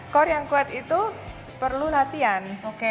core yang kuat itu perlu latihan